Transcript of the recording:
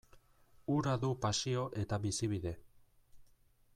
Hura du pasio eta bizibide.